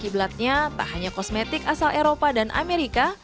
kiblatnya tak hanya kosmetik asal eropa dan amerika